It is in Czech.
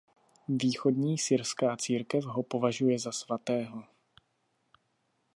Východní syrská církev ho považuje za svatého.